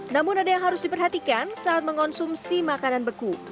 namun ada yang harus diperhatikan saat mengonsumsi makanan beku